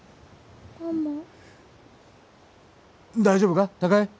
大丈夫か？